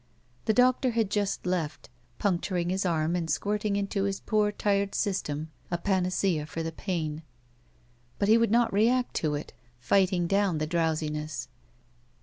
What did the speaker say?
The doctor had just left, pimcturing his arm and squirting into his poor tired system a panacea for the pain. But he would not react to it, fighting down the drowsiness.